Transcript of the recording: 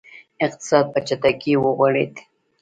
اقتصاد په چټکۍ وغوړېد.